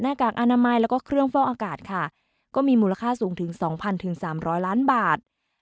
กากอนามัยแล้วก็เครื่องฟอกอากาศค่ะก็มีมูลค่าสูงถึง๒๐๐๓๐๐ล้านบาท